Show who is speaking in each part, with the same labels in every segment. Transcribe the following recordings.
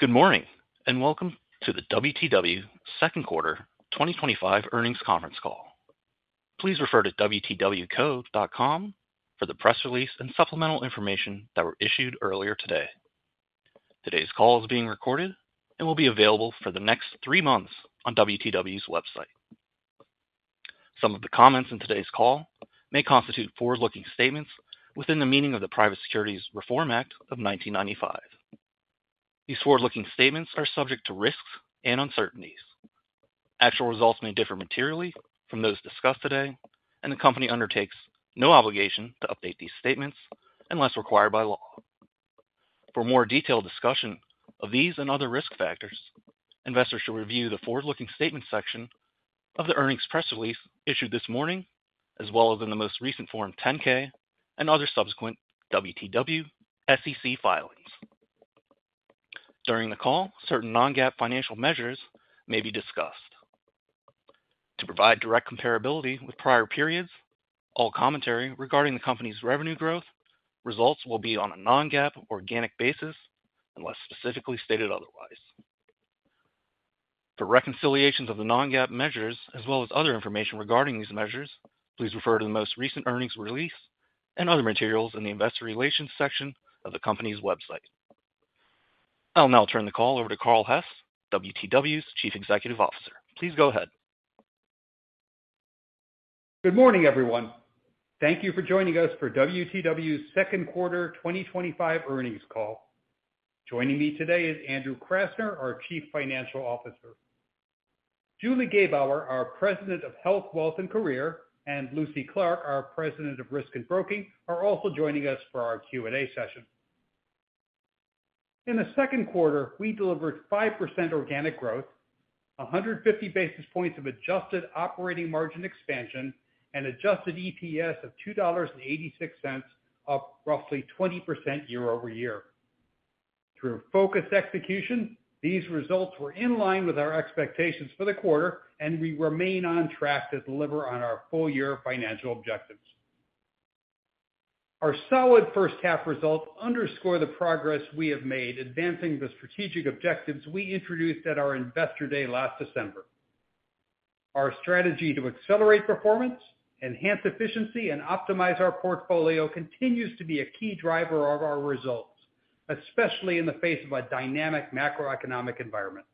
Speaker 1: Good morning and welcome to the WTW Second Quarter 2025 Earnings Conference Call. Please refer to wtwco.com for the press release and supplemental information that were issued earlier today. Today's call is being recorded and will be available for the next three months on WTW's website. Some of the comments in today's call may constitute forward-looking statements within the meaning of the Private Securities Reform Act of 1995. These forward-looking statements are subject to risks and uncertainties. Actual results may differ materially from those discussed today, and the company undertakes no obligation to update these statements unless required by law. For more detailed discussion of these and other risk factors, investors should review the forward-looking statement section of the earnings press release issued this morning, as well as in the most recent Form 10-K and other subsequent WTW SEC filings. During the call, certain non-GAAP financial measures may be discussed. To provide direct comparability with prior periods, all commentary regarding the company's revenue growth results will be on a non-GAAP organic basis unless specifically stated otherwise. For reconciliations of the non-GAAP measures, as well as other information regarding these measures, please refer to the most recent earnings release and other materials in the investor relations section of the company's website. I'll now turn the call over to Carl Hess, WTW's Chief Executive Officer. Please go ahead.
Speaker 2: Good morning, everyone. Thank you for joining us for WTW's Second Quarter 2025 Earnings Call. Joining me today is Andrew Krasner, our Chief Financial Officer. Julie Gebauer, our President, Health, Wealth & Career, and Lucy Clarke, our President, Risk and Broking, are also joining us for our Q&A session. In the second quarter, we delivered 5% organic growth, 150 basis points of adjusted operating margin expansion, and adjusted EPS of $2.86, up roughly 20% year over year. Through focused execution, these results were in line with our expectations for the quarter, and we remain on track to deliver on our full-year financial objectives. Our solid first-half results underscore the progress we have made advancing the strategic objectives we introduced at our Investor Day last December. Our strategy to accelerate performance, enhance efficiency, and optimize our portfolio continues to be a key driver of our results, especially in the face of a dynamic macroeconomic environment.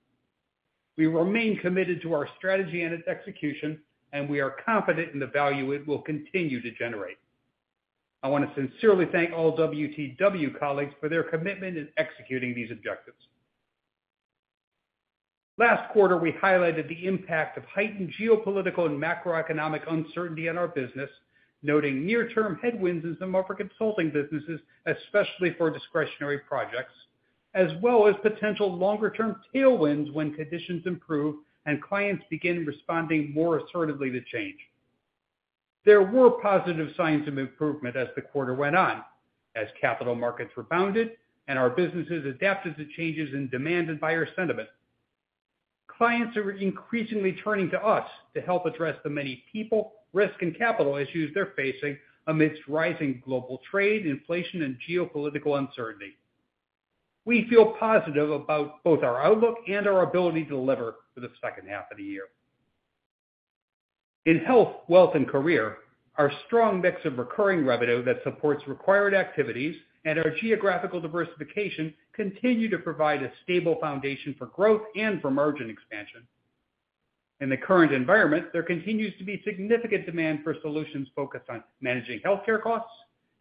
Speaker 2: We remain committed to our strategy and its execution, and we are confident in the value it will continue to generate. I want to sincerely thank all WTW colleagues for their commitment in executing these objectives. Last quarter, we highlighted the impact of heightened geopolitical and macroeconomic uncertainty on our business, noting near-term headwinds in some of our consulting businesses, especially for discretionary projects, as well as potential longer-term tailwinds when conditions improve and clients begin responding more assertively to change. There were positive signs of improvement as the quarter went on, as capital markets rebounded and our businesses adapted to changes in demand and buyer sentiment. Clients are increasingly turning to us to help address the many people, risk, and capital issues they're facing amidst rising global trade, inflation, and geopolitical uncertainty. We feel positive about both our outlook and our ability to deliver for the second half of the year. In Health, Wealth & Career, our strong mix of recurring revenue that supports required activities and our geographical diversification continue to provide a stable foundation for growth and for margin expansion. In the current environment, there continues to be significant demand for solutions focused on managing healthcare costs,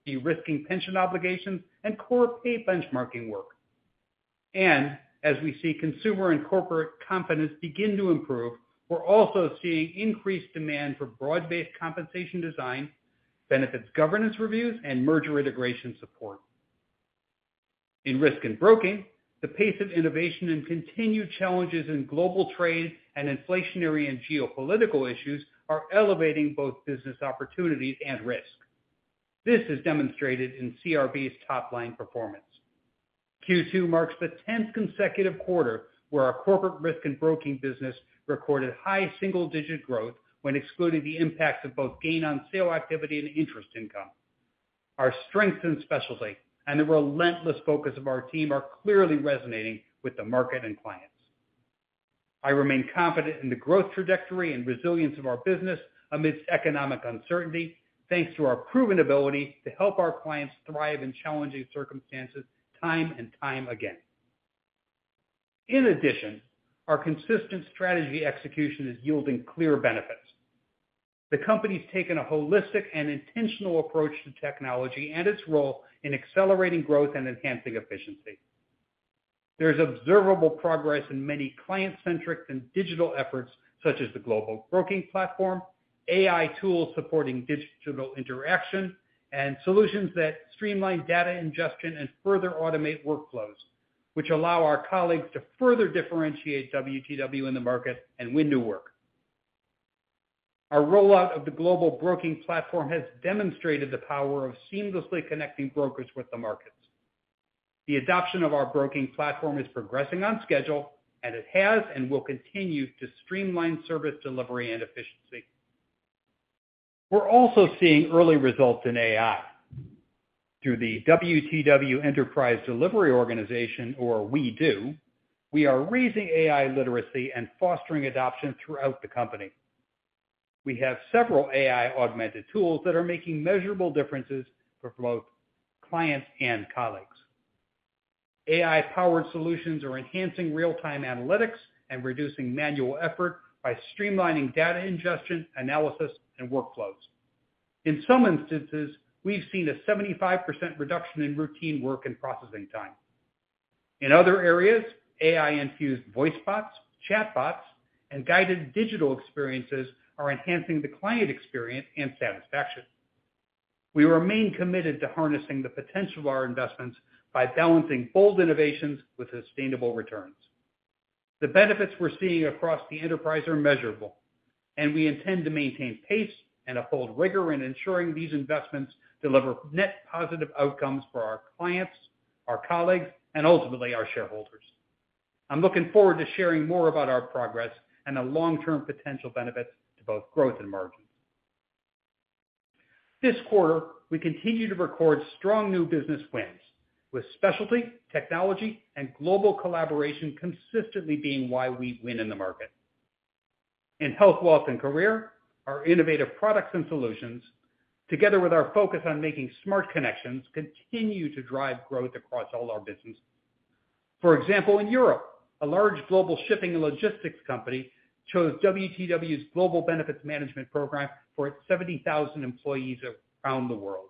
Speaker 2: de-risking pension obligations, and core pay benchmarking work. As we see consumer and corporate confidence begin to improve, we're also seeing increased demand for broad-based compensation design, benefits governance reviews, and merger integration support. In Risk and Broking, the pace of innovation and continued challenges in global trade and inflationary and geopolitical issues are elevating both business opportunities and risk. This is demonstrated in CRB's top-line performance. Q2 marks the 10th consecutive quarter where our Corporate Risk & Broking business recorded high single-digit growth when excluding the impacts of both gain on sale activity and interest income. Our strengths in specialty and the relentless focus of our team are clearly resonating with the market and clients. I remain confident in the growth trajectory and resilience of our business amidst economic uncertainty, thanks to our proven ability to help our clients thrive in challenging circumstances time and time again. In addition, our consistent strategy execution is yielding clear benefits. The company has taken a holistic and intentional approach to technology and its role in accelerating growth and enhancing efficiency. There is observable progress in many client-centric and digital efforts such as the global broking platform, AI tools supporting digital interaction, and solutions that streamline data ingestion and further automate workflows, which allow our colleagues to further differentiate WTW in the market and win new work. Our rollout of the global broking platform has demonstrated the power of seamlessly connecting brokers with the markets. The adoption of our broking platform is progressing on schedule, and it has and will continue to streamline service delivery and efficiency. We're also seeing early results in AI. Through the WTW Enterprise Delivery Organization, or WEDO, we are raising AI literacy and fostering adoption throughout the company. We have several AI-augmented tools that are making measurable differences for both clients and colleagues. AI-powered solutions are enhancing real-time analytics and reducing manual effort by streamlining data ingestion, analysis, and workflows. In some instances, we've seen a 75% reduction in routine work and processing time. In other areas, AI-infused voice bots, chatbots, and guided digital experiences are enhancing the client experience and satisfaction. We remain committed to harnessing the potential of our investments by balancing bold innovations with sustainable returns. The benefits we're seeing across the enterprise are measurable, and we intend to maintain pace and uphold rigor in ensuring these investments deliver net positive outcomes for our clients, our colleagues, and ultimately our shareholders. I'm looking forward to sharing more about our progress and the long-term potential benefits to both growth and margins. This quarter, we continue to record strong new business wins, with specialty, technology, and global collaboration consistently being why we win in the market. In Health, Wealth & Career, our innovative products and solutions, together with our focus on making smart connections, continue to drive growth across all our businesses. For example, in Europe, a large global shipping and logistics company chose WTW's Global Benefits Management Program for its 70,000 employees around the world.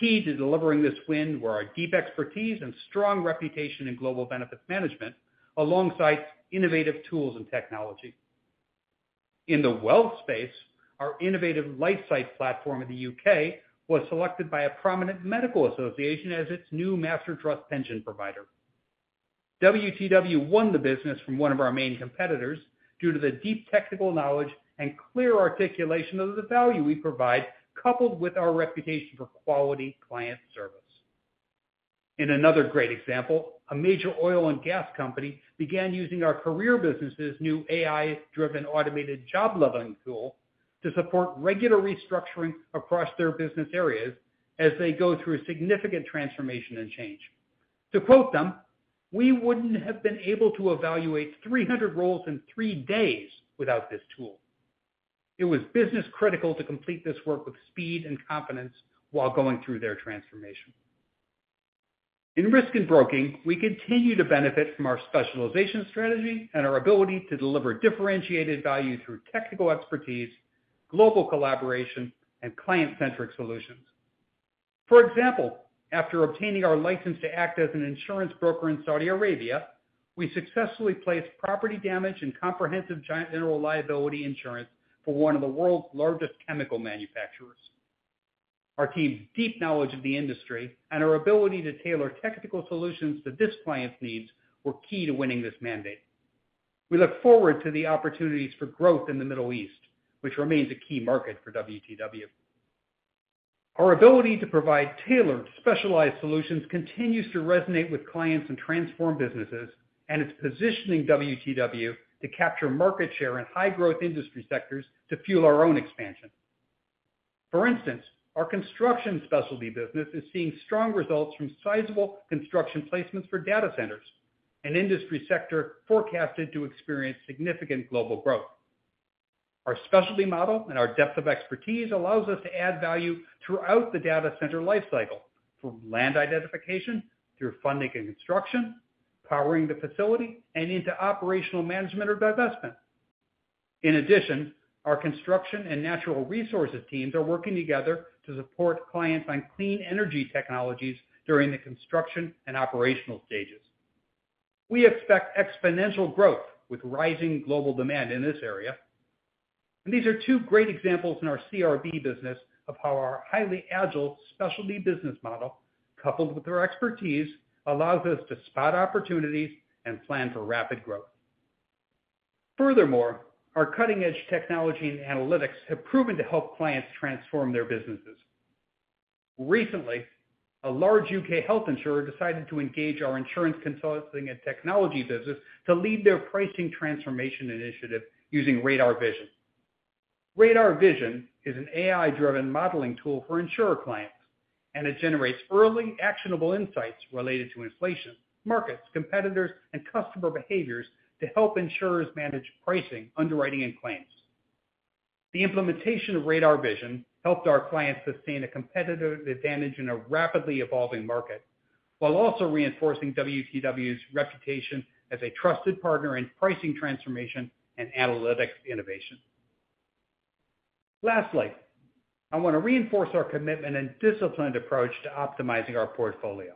Speaker 2: Key to delivering this win were our deep expertise and strong reputation in global benefits management, alongside innovative tools and technology. In the wealth space, our innovative Lifesight Master Trust platform in the U.K. was selected by a prominent medical association as its new Master Trust pension provider. WTW won the business from one of our main competitors due to the deep technical knowledge and clear articulation of the value we provide, coupled with our reputation for quality client service. In another great example, a major oil and gas company began using our career business's new AI-driven job leveling tool to support regular restructuring across their business areas as they go through significant transformation and change. To quote them, "We wouldn't have been able to evaluate 300 roles in three days without this tool. It was business-critical to complete this work with speed and confidence while going through their transformation." In Risk and Broking, we continue to benefit from our specialization strategy and our ability to deliver differentiated value through technical expertise, global collaboration, and client-centric solutions. For example, after obtaining our license to act as an insurance broker in Saudi Arabia, we successfully placed property damage and comprehensive general liability insurance for one of the world's largest chemical manufacturers. Our team's deep knowledge of the industry and our ability to tailor technical solutions to this client's needs were key to winning this mandate. We look forward to the opportunities for growth in the Middle East, which remains a key market for WTW. Our ability to provide tailored, specialized solutions continues to resonate with clients and transform businesses, and it's positioning WTW to capture market share in high-growth industry sectors to fuel our own expansion. For instance, our construction specialty business is seeing strong results from sizable construction placements for data centers, an industry sector forecasted to experience significant global growth. Our specialty model and our depth of expertise allow us to add value throughout the data center lifecycle, from land identification through funding and construction, powering the facility, and into operational management or divestment. In addition, our construction and natural resources teams are working together to support clients on clean energy technologies during the construction and operational stages. We expect exponential growth with rising global demand in this area. These are two great examples in our CRB business of how our highly agile specialty business model, coupled with our expertise, allows us to spot opportunities and plan for rapid growth. Furthermore, our cutting-edge technology and analytics have proven to help clients transform their businesses. Recently, a large U.K. health insurer decided to engage our Insurance Consulting & Technology business to lead their pricing transformation initiative using Radar Vision. Radar Vision is an AI-driven modeling tool for insurer clients, and it generates early, actionable insights related to inflation, markets, competitors, and customer behaviors to help insurers manage pricing, underwriting, and claims. The implementation of Radar Vision helped our clients sustain a competitive advantage in a rapidly evolving market, while also reinforcing WTW's reputation as a trusted partner in pricing transformation and analytics innovation. Lastly, I want to reinforce our commitment and disciplined approach to optimizing our portfolio.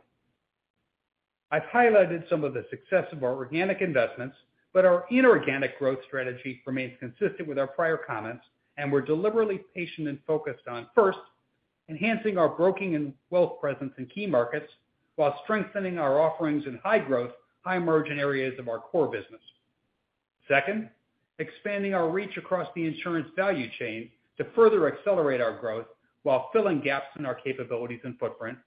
Speaker 2: I've highlighted some of the success of our organic investments, but our inorganic growth strategy remains consistent with our prior comments, and we're deliberately patient and focused on, first, enhancing our broking and wealth presence in key markets while strengthening our offerings in high-growth, high-margin areas of our core business. Second, expanding our reach across the insurance value chain to further accelerate our growth while filling gaps in our capabilities and footprint.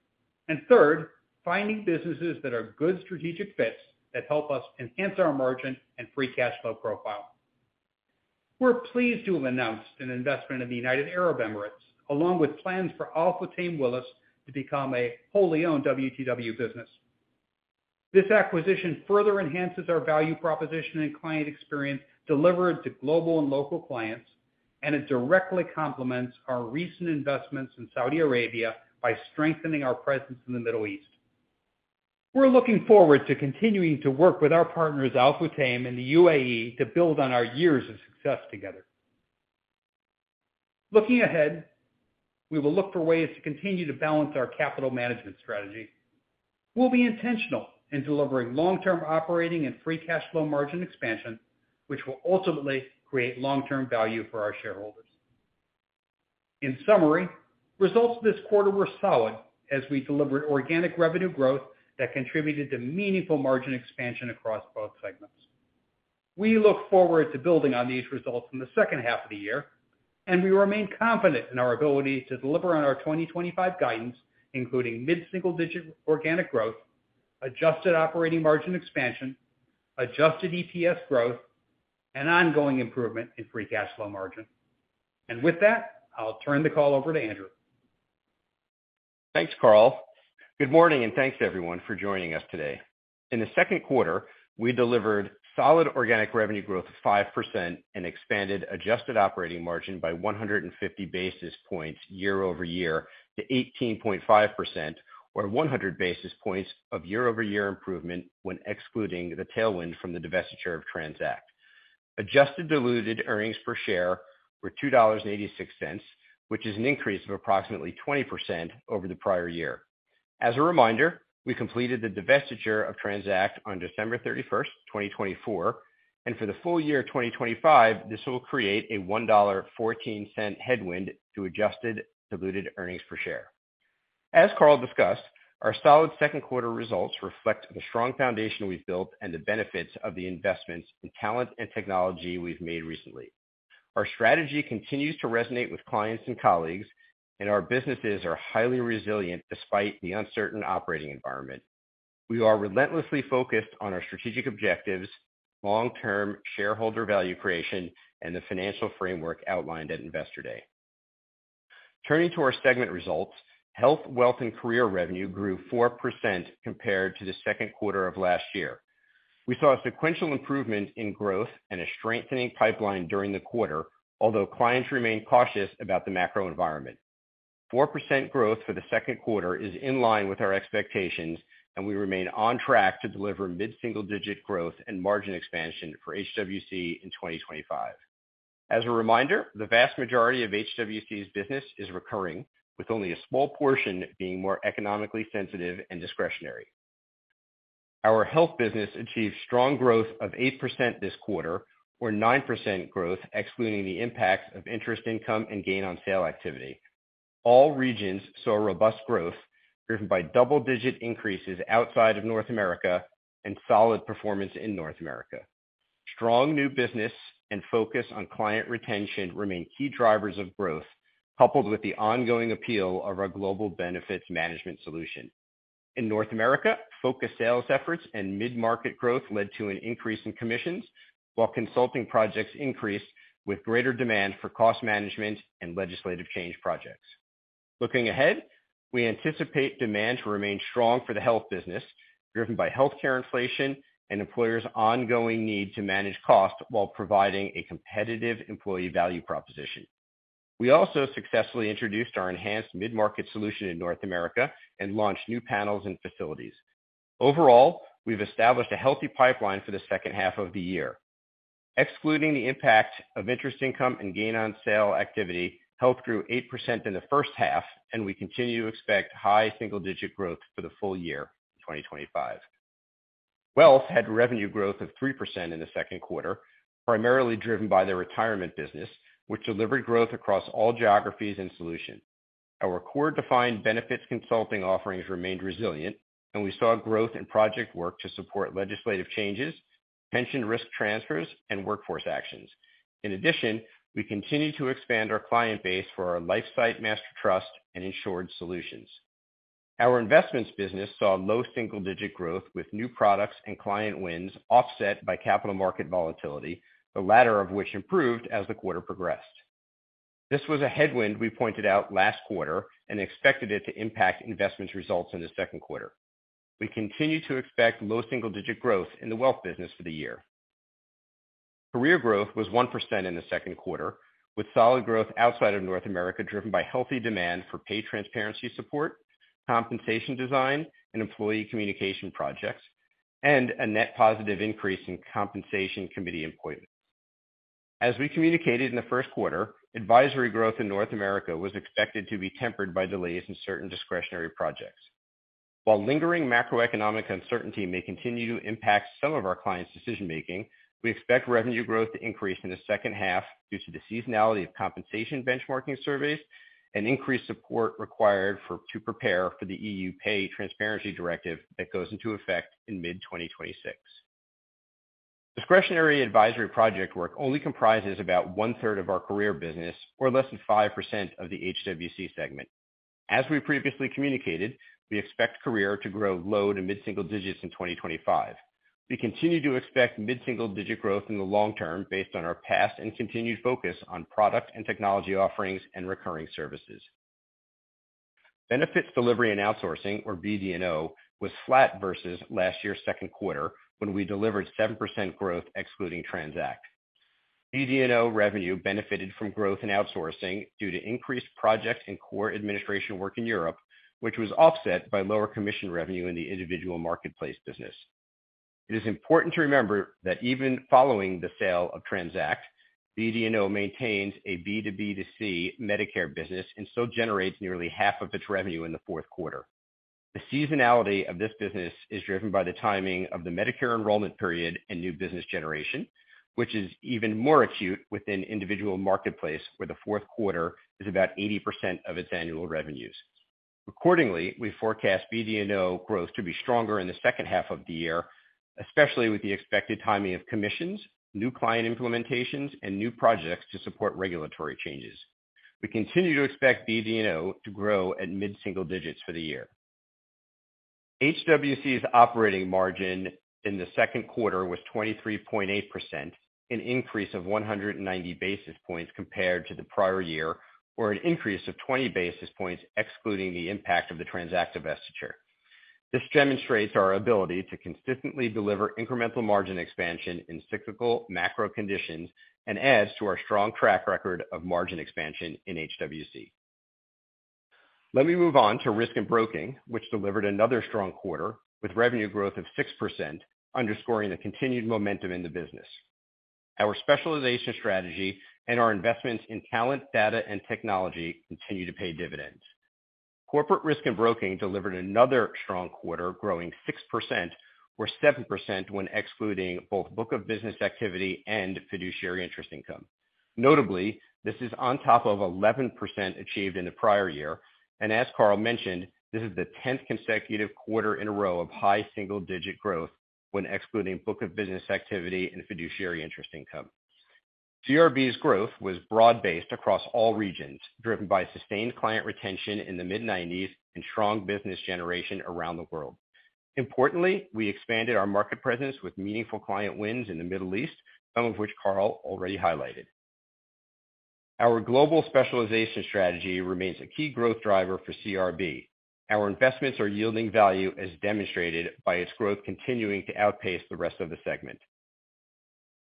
Speaker 2: Third, finding businesses that are good strategic fits that help us enhance our margin and free cash flow profile. We're pleased to have announced an investment in the United Arab Emirates, along with plans for Al-Futtaim Willis to become a wholly owned WTW business. This acquisition further enhances our value proposition and client experience delivered to global and local clients, and it directly complements our recent investments in Saudi Arabia by strengthening our presence in the Middle East. We are looking forward to continuing to work with our partners Al-Futtaim and the UAE to build on our years of success together. Looking ahead, we will look for ways to continue to balance our capital management strategy. We will be intentional in delivering long-term operating and free cash flow margin expansion, which will ultimately create long-term value for our shareholders. In summary, results this quarter were solid as we delivered organic revenue growth that contributed to meaningful margin expansion across both segments. We look forward to building on these results in the second half of the year, and we remain confident in our ability to deliver on our 2025 guidance, including mid-single-digit organic growth, adjusted operating margin expansion, adjusted EPS growth, and ongoing improvement in free cash flow margin. With that, I'll turn the call over to Andrew.
Speaker 3: Thanks, Carl. Good morning, and thanks everyone for joining us today. In the second quarter, we delivered solid organic revenue growth of 5% and expanded adjusted operating margin by 150 basis points year over year to 18.5%, or 100 basis points of year-over-year improvement when excluding the tailwind from the divestiture of TRANZACT. Adjusted diluted earnings per share were $2.86, which is an increase of approximately 20% over the prior year. As a reminder, we completed the divestiture of TRANZACT on December 31st, 2024, and for the full year 2025, this will create a $1.14 headwind to adjusted diluted earnings per share. As Carl discussed, our solid second-quarter results reflect the strong foundation we've built and the benefits of the investments in talent and technology we've made recently. Our strategy continues to resonate with clients and colleagues, and our businesses are highly resilient despite the uncertain operating environment. We are relentlessly focused on our strategic objectives, long-term shareholder value creation, and the financial framework outlined at Investor Day. Turning to our segment results, Health, Wealth & Career revenue grew 4% compared to the second quarter of last year. We saw a sequential improvement in growth and a strengthening pipeline during the quarter, although clients remain cautious about the macroeconomic environment. 4% growth for the second quarter is in line with our expectations, and we remain on track to deliver mid-single-digit growth and margin expansion for HWC in 2025. As a reminder, the vast majority of HWC's business is recurring, with only a small portion being more economically sensitive and discretionary. Our Health business achieved strong growth of 8% this quarter, or 9% growth excluding the impact of interest income and gain on sale activity. All regions saw robust growth, driven by double-digit increases outside of North America and solid performance in North America. Strong new business and focus on client retention remain key drivers of growth, coupled with the ongoing appeal of our Global Benefits Management Program. In North America, focused sales efforts and mid-market growth led to an increase in commissions, while consulting projects increased with greater demand for cost management and legislative change projects. Looking ahead, we anticipate demand to remain strong for the Health business, driven by healthcare inflation and employers' ongoing need to manage costs while providing a competitive employee value proposition. We also successfully introduced our enhanced mid-market solution in North America and launched new panels and facilities. Overall, we've established a healthy pipeline for the second half of the year. Excluding the impact of interest income and gain on sale activity, Health grew 8% in the first half, and we continue to expect high single-digit growth for the full year 2025. Wealth had revenue growth of 3% in the second quarter, primarily driven by the retirement business, which delivered growth across all geographies and solutions. Our core defined benefits consulting offerings remained resilient, and we saw growth in project work to support legislative changes, pension risk transfers, and workforce actions. In addition, we continue to expand our client base for our Lifesight Master Trust and insured solutions. Our investments business saw low single-digit growth with new products and client wins offset by capital market volatility, the latter of which improved as the quarter progressed. This was a headwind we pointed out last quarter and expected it to impact investment results in the second quarter. We continue to expect low single-digit growth in the Wealth business for the year. Career growth was 1% in the second quarter, with solid growth outside of North America driven by healthy demand for pay transparency support, compensation design, and employee communication projects, and a net positive increase in compensation committee employment. As we communicated in the first quarter, advisory growth in North America was expected to be tempered by delays in certain discretionary projects. While lingering macroeconomic uncertainty may continue to impact some of our clients' decision-making, we expect revenue growth to increase in the second half due to the seasonality of compensation benchmarking surveys and increased support required to prepare for the EU Pay transparency directive that goes into effect in mid-2026. Discretionary advisory project work only comprises about one-third of our Career business, or less than 5% of the HWC segment. As we previously communicated, we expect Career to grow low to mid-single digits in 2025. We continue to expect mid-single digit growth in the long term based on our past and continued focus on product and technology offerings and recurring services. Benefits Delivery & Outsourcing, or BD&O, was flat versus last year's second quarter when we delivered 7% growth excluding TRANZACT. BD&O revenue benefited from growth in outsourcing due to increased project and core administration work in Europe, which was offset by lower commission revenue in the individual marketplace business. It is important to remember that even following the sale of TRANZACT, BD&O maintains a B2B2C Medicare business and still generates nearly half of its revenue in the fourth quarter. The seasonality of this business is driven by the timing of the Medicare enrollment period and new business generation, which is even more acute within individual marketplace where the fourth quarter is about 80% of its annual revenues. Accordingly, we forecast BD&O growth to be stronger in the second half of the year, especially with the expected timing of commissions, new client implementations, and new projects to support regulatory changes. We continue to expect BD&O to grow at mid-single digits for the year. HWC's operating margin in the second quarter was 23.8%, an increase of 190 basis points compared to the prior year, or an increase of 20 basis points excluding the impact of the TRANZACT divestiture. This demonstrates our ability to consistently deliver incremental margin expansion in cyclical macro conditions and adds to our strong track record of margin expansion in HWC. Let me move on to Risk and Broking, which delivered another strong quarter with revenue growth of 6%, underscoring the continued momentum in the business. Our specialization strategy and our investments in talent, data, and technology continue to pay dividends. Corporate Risk & Broking delivered another strong quarter, growing 6%, or 7% when excluding both book of business activity and fiduciary interest income. Notably, this is on top of 11% achieved in the prior year, and as Carl mentioned, this is the 10th consecutive quarter in a row of high single-digit growth when excluding book of business activity and fiduciary interest income. CRB's growth was broad-based across all regions, driven by sustained client retention in the mid-90s and strong business generation around the world. Importantly, we expanded our market presence with meaningful client wins in the Middle East, some of which Carl already highlighted. Our global specialization strategy remains a key growth driver for CRB. Our investments are yielding value, as demonstrated by its growth continuing to outpace the rest of the segment.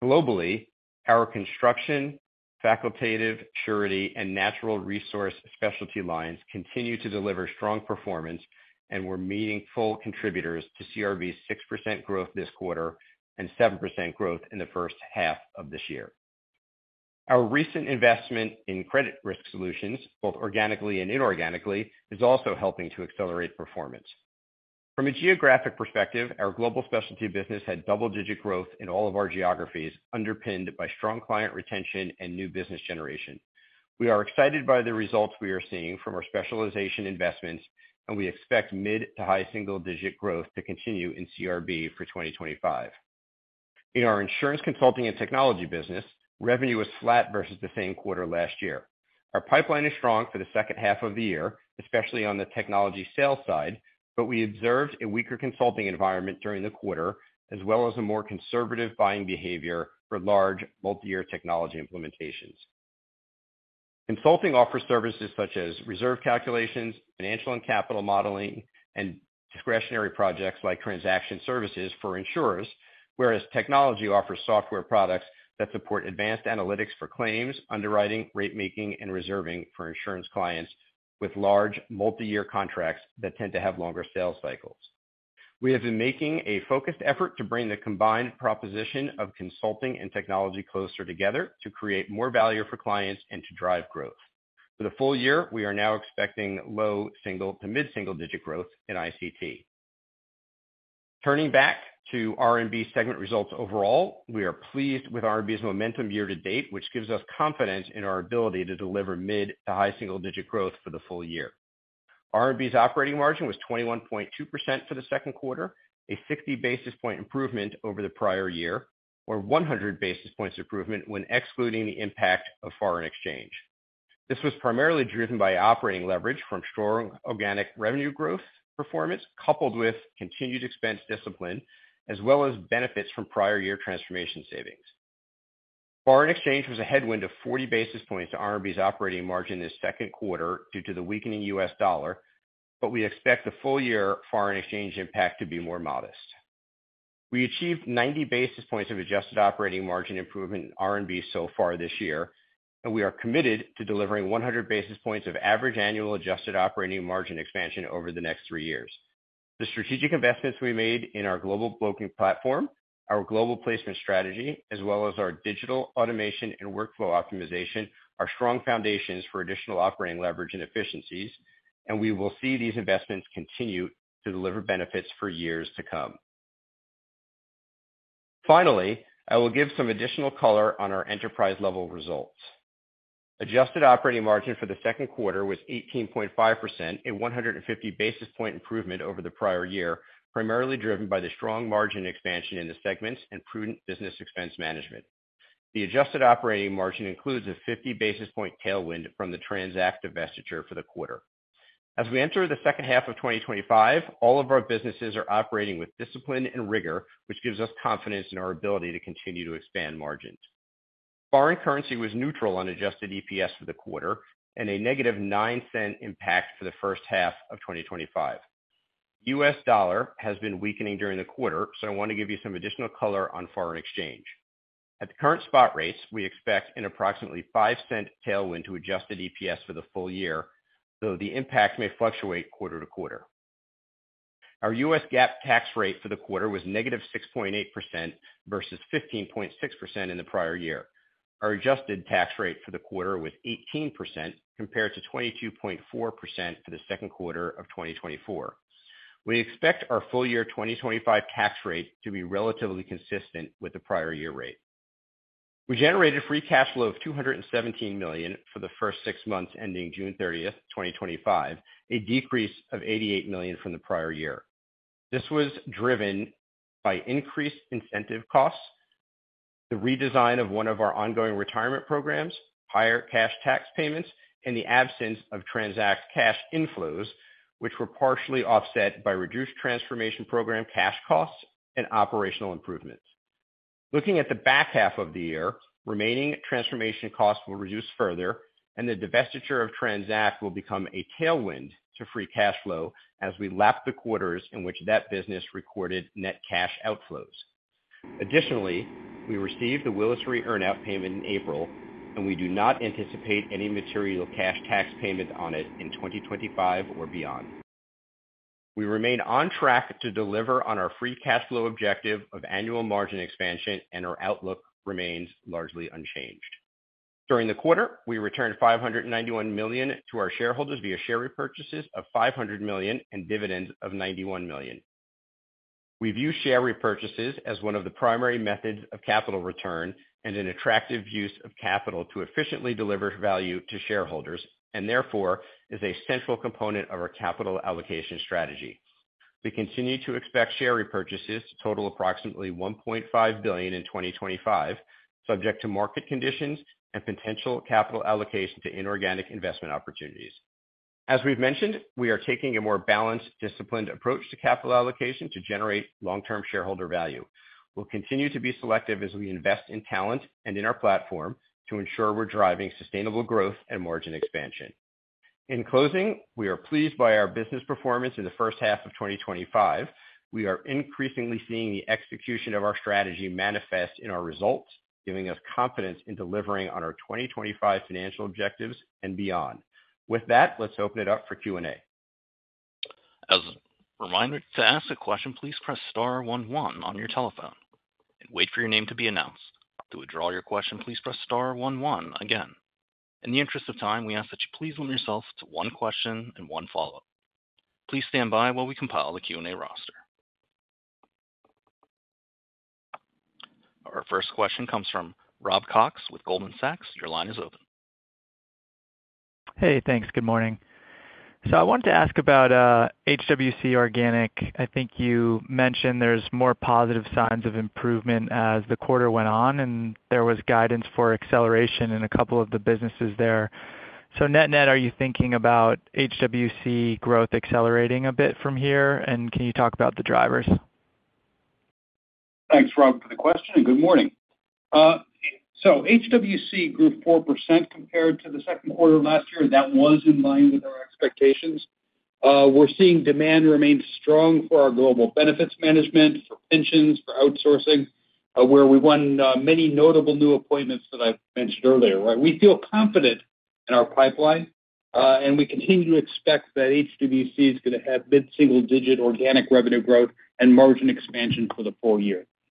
Speaker 3: Globally, our construction, facultative, surety, and natural resource specialty lines continue to deliver strong performance and were meaningful contributors to CRB's 6% growth this quarter and 7% growth in the first half of this year. Our recent investment in credit risk solutions, both organically and inorganically, is also helping to accelerate performance. From a geographic perspective, our global specialty business had double-digit growth in all of our geographies, underpinned by strong client retention and new business generation. We are excited by the results we are seeing from our specialization investments, and we expect mid to high single-digit growth to continue in CRB for 2025. In our Insurance Consulting & Technology business, revenue was flat versus the same quarter last year. Our pipeline is strong for the second half of the year, especially on the technology sales side, but we observed a weaker consulting environment during the quarter, as well as a more conservative buying behavior for large multi-year technology implementations. Consulting offers services such as reserve calculations, financial and capital modeling, and discretionary projects like transaction services for insurers, whereas technology offers software products that support advanced analytics for claims, underwriting, rate-making, and reserving for insurance clients with large multi-year contracts that tend to have longer sales cycles. We have been making a focused effort to bring the combined proposition of consulting and technology closer together to create more value for clients and to drive growth. For the full year, we are now expecting low single to mid-single digit growth in ICT. Turning back to R&B segment results overall, we are pleased with R&B's momentum year to date, which gives us confidence in our ability to deliver mid to high single-digit growth for the full year. R&B's operating margin was 21.2% for the second quarter, a 60 basis point improvement over the prior year, or 100 basis points improvement when excluding the impact of foreign exchange. This was primarily driven by operating leverage from strong organic revenue growth performance coupled with continued expense discipline, as well as benefits from prior year transformation savings. Foreign exchange was a headwind of 40 basis points to R&B's operating margin this second quarter due to the weakening U.S. dollar, but we expect the full year foreign exchange impact to be more modest. We achieved 90 basis points of adjusted operating margin improvement in R&B so far this year, and we are committed to delivering 100 basis points of average annual adjusted operating margin expansion over the next three years. The strategic investments we made in our global broking platform, our global placement strategy, as well as our digital automation and workflow optimization are strong foundations for additional operating leverage and efficiencies, and we will see these investments continue to deliver benefits for years to come. Finally, I will give some additional color on our enterprise-level results. Adjusted operating margin for the second quarter was 18.5%, a 150 basis point improvement over the prior year, primarily driven by the strong margin expansion in the segments and prudent business expense management. The adjusted operating margin includes a 50 basis point tailwind from the TRANZACT divestiture for the quarter. As we enter the second half of 2025, all of our businesses are operating with discipline and rigor, which gives us confidence in our ability to continue to expand margins. Foreign currency was neutral on adjusted EPS for the quarter and a negative $0.09 impact for the first half of 2025. U.S. dollar has been weakening during the quarter, so I want to give you some additional color on foreign exchange. At the current spot rates, we expect an approximately $0.05 tailwind to adjusted EPS for the full year, though the impact may fluctuate quarter to quarter. Our U.S. GAAP tax rate for the quarter was negative 6.8% versus 15.6% in the prior year. Our adjusted tax rate for the quarter was 18% compared to 22.4% for the second quarter of 2024. We expect our full year 2025 tax rate to be relatively consistent with the prior year rate. We generated free cash flow of $217 million for the first six months ending June 30, 2025, a decrease of $88 million from the prior year. This was driven by increased incentive costs, the redesign of one of our ongoing retirement programs, higher cash tax payments, and the absence of TRANZACT cash inflows, which were partially offset by reduced transformation program cash costs and operational improvements. Looking at the back half of the year, remaining transformation costs will reduce further, and the divestiture of TRANZACT will become a tailwind to free cash flow as we lap the quarters in which that business recorded net cash outflows. Additionally, we received the Willis Free Earn-Out payment in April, and we do not anticipate any material cash tax payment on it in 2025 or beyond. We remain on track to deliver on our free cash flow objective of annual margin expansion, and our outlook remains largely unchanged. During the quarter, we returned $591 million to our shareholders via share repurchases of $500 million and dividends of $91 million. We view share repurchases as one of the primary methods of capital return and an attractive use of capital to efficiently deliver value to shareholders and therefore is a central component of our capital allocation strategy. We continue to expect share repurchases to total approximately $1.5 billion in 2025, subject to market conditions and potential capital allocation to inorganic investment opportunities. As we've mentioned, we are taking a more balanced, disciplined approach to capital allocation to generate long-term shareholder value. We'll continue to be selective as we invest in talent and in our platform to ensure we're driving sustainable growth and margin expansion. In closing, we are pleased by our business performance in the first half of 2025. We are increasingly seeing the execution of our strategy manifest in our results, giving us confidence in delivering on our 2025 financial objectives and beyond. With that, let's open it up for Q&A.
Speaker 1: As a reminder, to ask a question, please press star 11 on your telephone and wait for your name to be announced. To withdraw your question, please press star 11 again. In the interest of time, we ask that you please limit yourself to one question and one follow-up. Please stand by while we compile the Q&A roster. Our first question comes from Rob Cox with Goldman Sachs. Your line is open.
Speaker 4: Hey, thanks. Good morning. I wanted to ask about HWC organic. I think you mentioned there's more positive signs of improvement as the quarter went on, and there was guidance for acceleration in a couple of the businesses there. Net net, are you thinking about HWC growth accelerating a bit from here? Can you talk about the drivers?
Speaker 2: Thanks, Rob, for the question and good morning. HWC grew 4% compared to the second quarter of last year. That was in line with our expectations. We're seeing demand remain strong for our Global Benefits Management Program, for pensions, for outsourcing, where we won many notable new appointments that I mentioned earlier. We feel confident in our pipeline, and we continue to expect that HWC is going to have mid-single digit organic revenue growth and margin expansion for the full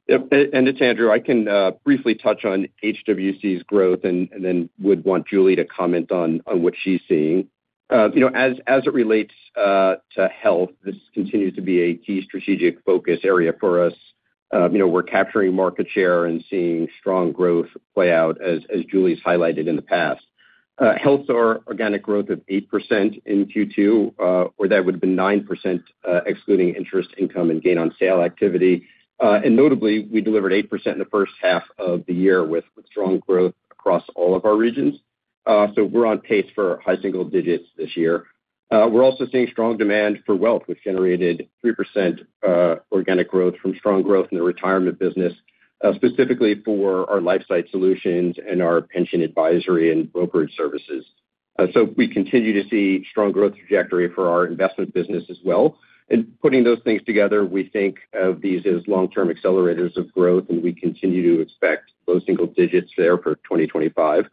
Speaker 2: year.
Speaker 3: It's Andrew, I can briefly touch on HWC's growth and then would want Julie to comment on what she's seeing. As it relates to Health, this continues to be a key strategic focus area for us. We're capturing market share and seeing strong growth play out, as Julie's highlighted in the past. Health saw organic growth of 8% in Q2, or that would have been 9% excluding interest, income, and gain on sale activity. Notably, we delivered 8% in the first half of the year with strong growth across all of our regions. We're on pace for high single digits this year. We're also seeing strong demand for wealth, which generated 3% organic growth from strong growth in the retirement business, specifically for our Lifesight solutions and our pension advisory and brokerage services. We continue to see a strong growth trajectory for our investment business as well. Putting those things together, we think of these as long-term accelerators of growth, and we continue to expect low single digits there for 2025.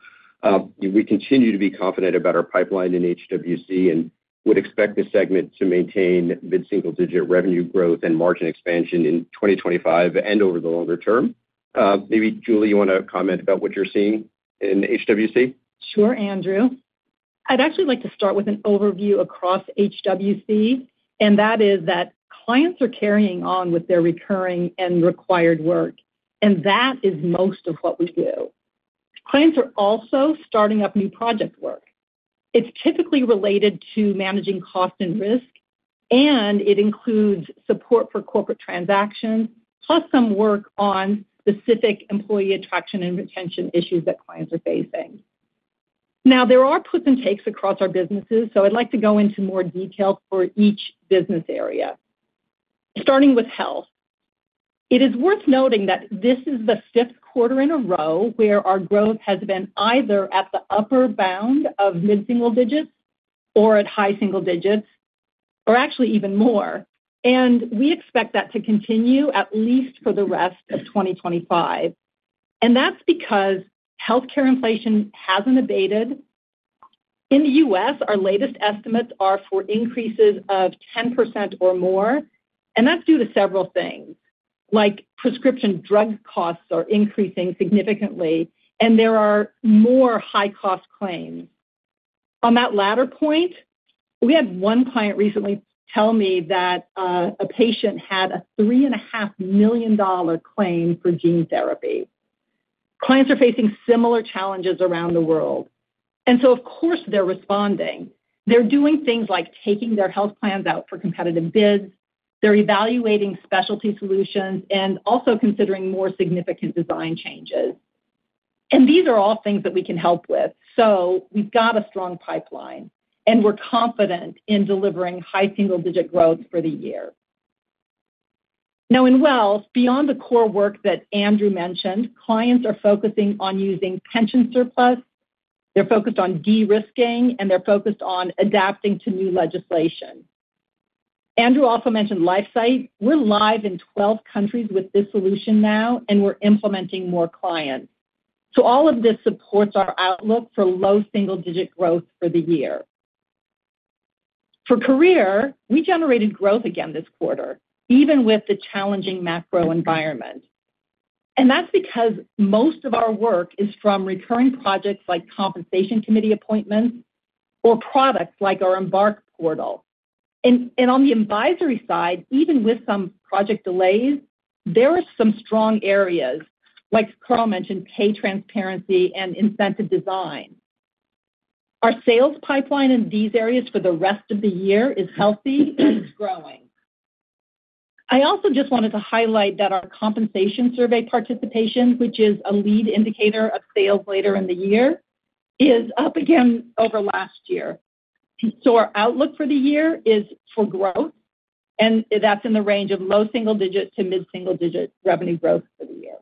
Speaker 3: We continue to be confident about our pipeline in HWC and would expect the segment to maintain mid-single digit revenue growth and margin expansion in 2025 and over the longer term. Maybe, Julie, you want to comment about what you're seeing in HWC?
Speaker 5: Sure, Andrew. I'd actually like to start with an overview across HWC, and that is that clients are carrying on with their recurring and required work, and that is most of what we do. Clients are also starting up new project work. It's typically related to managing cost and risk, and it includes support for corporate transactions, plus some work on specific employee attraction and retention issues that clients are facing. There are puts and takes across our businesses, so I'd like to go into more detail for each business area. Starting with Health, it is worth noting that this is the fifth quarter in a row where our growth has been either at the upper bound of mid-single digits or at high single digits, or actually even more. We expect that to continue at least for the rest of 2025, and that's because healthcare inflation hasn't abated. In the U.S., our latest estimates are for increases of 10% or more, and that's due to several things, like prescription drug costs are increasing significantly, and there are more high-cost claims. On that latter point, we had one client recently tell me that a patient had a $3.5 million claim for gene therapy. Clients are facing similar challenges around the world. Of course, they're responding. They're doing things like taking their health plans out for competitive bids, evaluating specialty solutions, and also considering more significant design changes. These are all things that we can help with. We've got a strong pipeline, and we're confident in delivering high single-digit growth for the year. Now, in wealth, beyond the core work that Andrew mentioned, clients are focusing on using pension surplus. They're focused on de-risking, and they're focused on adapting to new legislation. Andrew also mentioned Lifesight. We're live in 12 countries with this solution now, and we're implementing more clients. All of this supports our outlook for low single-digit growth for the year. For Career, we generated growth again this quarter, even with the challenging macroeconomic environment. That's because most of our work is from recurring projects like compensation committee appointments or products like our Embark portal. On the advisory side, even with some project delays, there are some strong areas, like Carl mentioned, pay transparency and incentive design. Our sales pipeline in these areas for the rest of the year is healthy and is growing. I also just wanted to highlight that our compensation survey participation, which is a lead indicator of sales later in the year, is up again over last year. Our outlook for the year is for growth, and that's in the range of low single-digit to mid-single-digit revenue growth for the year.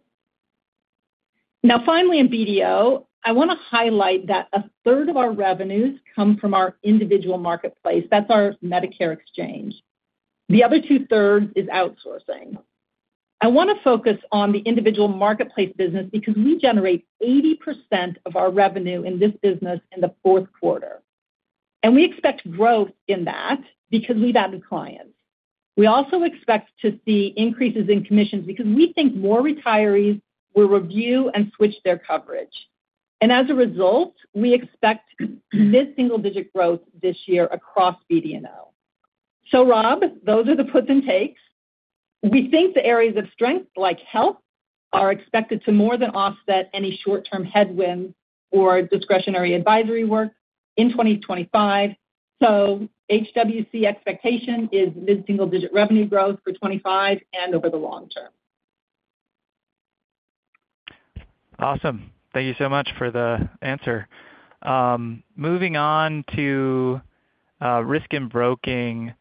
Speaker 5: Now, finally, in BD&O, I want to highlight that a third of our revenues come from our individual marketplace. That's our Medicare exchange. The other two-thirds is outsourcing. I want to focus on the individual marketplace business because we generate 80% of our revenue in this business in the fourth quarter. We expect growth in that because we've added clients. We also expect to see increases in commissions because we think more retirees will review and switch their coverage. As a result, we expect mid-single-digit growth this year across BD&O. Rob, those are the puts and takes. We think the areas of strength, like Health, are expected to more than offset any short-term headwinds or discretionary advisory work in 2025. HWC expectation is mid-single-digit revenue growth for 2025 and over the long term.
Speaker 4: Thank you so much for the answer. Moving on to Risk and Broking,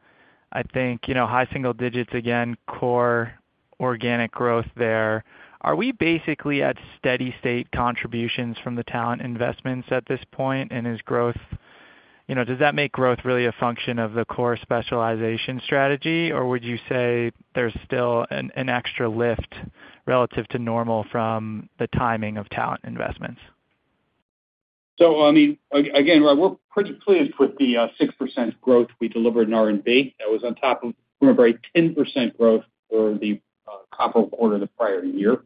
Speaker 4: I think high single digits again, core organic growth there. Are we basically at steady-state contributions from the talent investments at this point? Does that make growth really a function of the core specialization strategy, or would you say there's still an extra lift relative to normal from the timing of talent investments?
Speaker 2: We're pretty pleased with the 6% growth we delivered in R&B. That was on top of, remember, a 10% growth for the comparable quarter the prior year.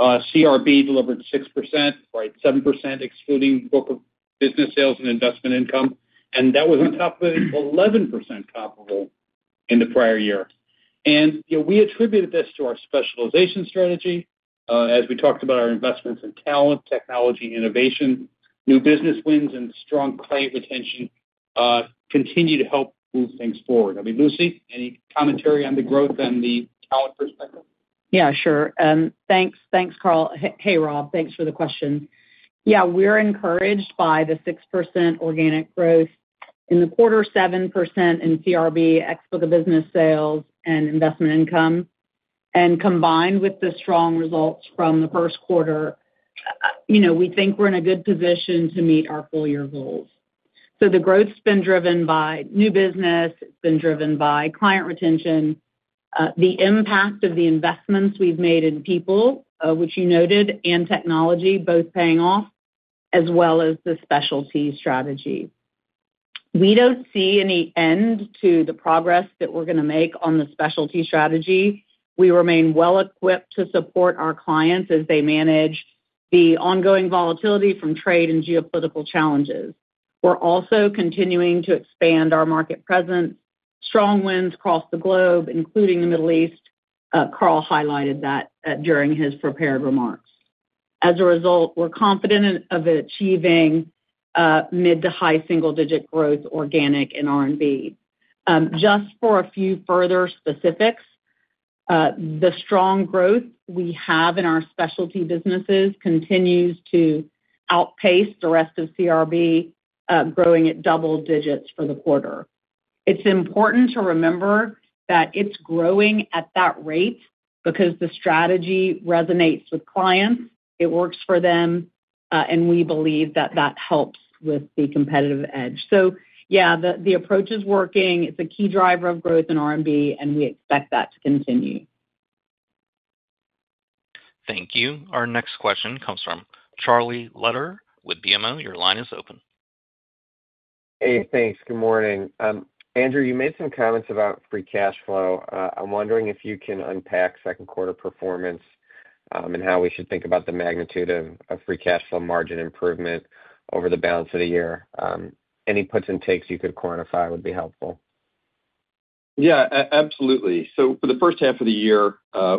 Speaker 2: CRB delivered 6%, right? 7% excluding book of business sales and investment income. That was on top of the 11% in the prior year. We attributed this to our specialization strategy, as we talked about our investments in talent, technology, innovation, new business wins, and strong client retention. These continue to help move things forward. I mean, Lucy, any commentary on the growth and the talent perspective?
Speaker 6: Yeah, sure. Thanks, Carl. Hey, Rob, thanks for the question. Yeah, we're encouraged by the 6% organic growth in the quarter, 7% in CRB, excluding book of business sales and investment income, and combined with the strong results from the first quarter. We think we're in a good position to meet our full year goals. The growth's been driven by new business, client retention, the impact of the investments we've made in people, which you noted, and technology, both paying off, as well as the specialty strategy. We don't see any end to the progress that we're going to make on the specialty strategy. We remain well equipped to support our clients as they manage the ongoing volatility from trade and geopolitical challenges. We're also continuing to expand our market presence, strong wins across the globe, including the Middle East. Carl highlighted that during his prepared remarks. As a result, we're confident of achieving mid to high single digit organic growth in R&B. Just for a few further specifics, the strong growth we have in our specialty businesses continues to outpace the rest of CRB, growing at double digits for the quarter. It's important to remember that it's growing at that rate because the strategy resonates with clients. It works for them, and we believe that helps with the competitive edge. The approach is working. It's a key driver of growth in R&B, and we expect that to continue.
Speaker 1: Thank you. Our next question comes from Charlie Lederer with BMO. Your line is open.
Speaker 7: Hey, thanks. Good morning. Andrew, you made some comments about free cash flow. I'm wondering if you can unpack second quarter performance and how we should think about the magnitude of free cash flow margin improvement over the balance of the year. Any puts and takes you could quantify would be helpful.
Speaker 3: Yeah, absolutely. For the first half of the year,